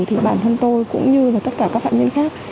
thì bản thân tôi cũng như là tất cả các phạm nhân khác